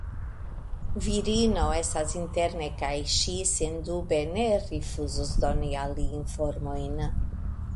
Virino estas interne kaj ŝi sendube ne rifuzos doni al li informojn.